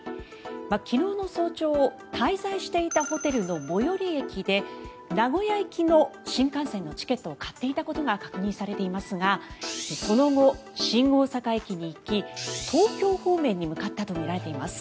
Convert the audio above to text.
昨日の早朝滞在していたホテルの最寄り駅で名古屋行きの新幹線のチケットを買っていたことが確認されていますがその後、新大阪駅に行き東京方面に向かったとみられています。